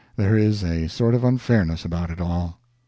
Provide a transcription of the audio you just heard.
There is a sort of unfairness about it all.